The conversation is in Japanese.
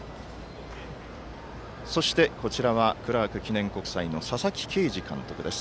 そしてクラーク記念国際の佐々木啓司監督です。